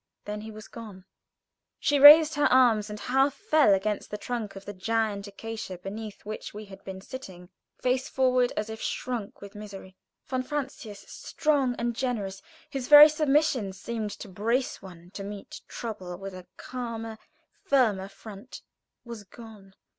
Then he was gone. She raised her arms and half fell against the trunk of the giant acacia beneath which we had been sitting, face forward, as if drunk with misery. Von Francius, strong and generous, whose very submission seemed to brace one to meet trouble with a calmer, firmer front, was gone.